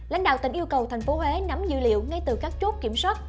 lãnh đạo tỉnh yêu cầu tp huế nắm dữ liệu ngay từ các chốt kiểm soát